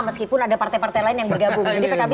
meskipun ada partai partai lain yang bergabung